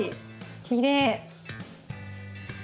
きれい。